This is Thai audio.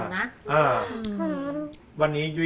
ของคุณยายถ้วน